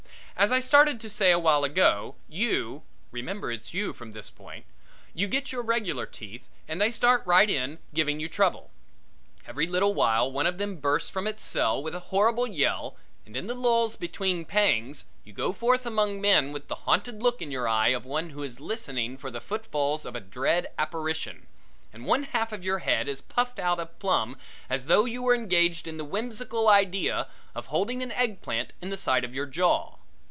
As I started to say awhile ago, you remember it's you from this point you get your regular teeth and they start right in giving you trouble. Every little while one of them bursts from its cell with a horrible yell and in the lulls between pangs you go forth among men with the haunted look in your eye of one who is listening for the footfalls of a dread apparition, and one half of your head is puffed out of plumb as though you were engaged in the whimsical idea of holding an egg plant in the side of your jaw.